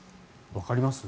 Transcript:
わかります？